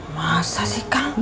masa sih kak